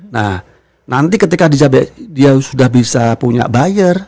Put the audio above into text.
nah nanti ketika dia sudah bisa punya buyer